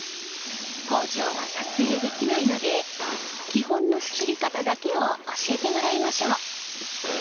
工場は撮影できないので基本の作り方だけを教えてもらいましょう。